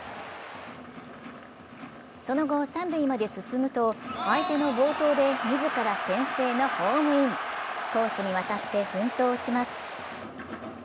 その後、三塁まで進むと相手の暴投で自ら先制のホームイン攻守にわたって奮闘します。